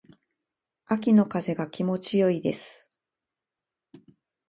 秋の風が気持ち良いです。